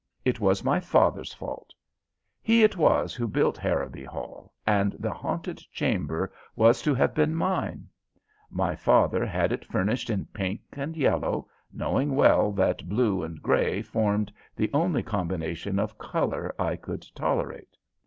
"It was my father's fault. He it was who built Harrowby Hall, and the haunted chamber was to have been mine. My father had it furnished in pink and yellow, knowing well that blue and gray formed the only combination of color I could tolerate.